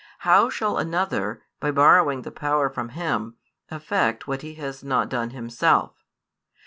How shall another, by borrowing the power from Him, effect what He has not done Himself?